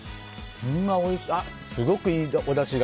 すごくいいおだしが。